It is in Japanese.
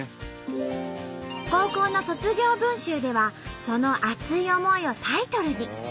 高校の卒業文集ではその熱い思いをタイトルに。